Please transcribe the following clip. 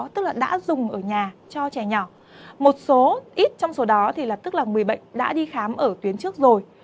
tức là người bệnh đã đi khám ở tuyến trước rồi